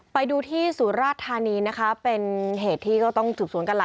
ไปดูที่สุราชธานีนะคะเป็นเหตุที่ก็ต้องสืบสวนกันล่ะ